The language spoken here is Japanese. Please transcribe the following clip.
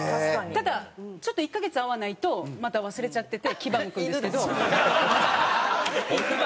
ただちょっと１カ月会わないとまた忘れちゃっててキバ剥くんですけど。